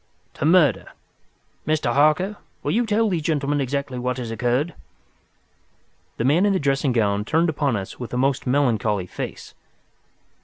"To murder. Mr. Harker, will you tell these gentlemen exactly what has occurred?" The man in the dressing gown turned upon us with a most melancholy face.